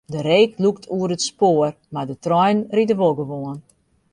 De reek lûkt oer it spoar, mar de treinen ride wol gewoan.